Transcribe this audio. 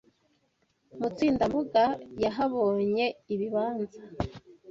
Mutsinda-mbuga yahabonye ibibanza